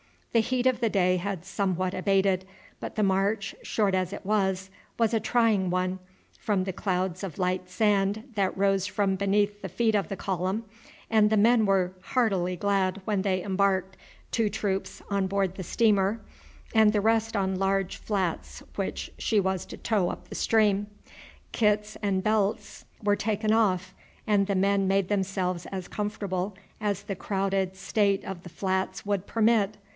The heat of the day had somewhat abated, but the march, short as it was, was a trying one, from the clouds of light sand that rose from beneath the feet of the column, and the men were heartily glad when they embarked, two troops on board the steamer and the rest on large flats which she was to tow up the stream. Kits and belts were taken off, and the men made themselves as comfortable as the crowded state of the flats would permit.